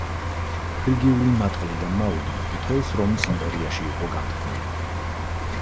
ფრიგიული მატყლი და მაუდი მთელს რომის იმპერიაში იყო განთქმული.